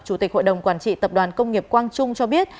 chủ tịch hội đồng quản trị tập đoàn công nghiệp quang trung cho biết